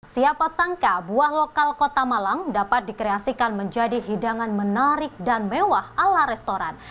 siapa sangka buah lokal kota malang dapat dikreasikan menjadi hidangan menarik dan mewah ala restoran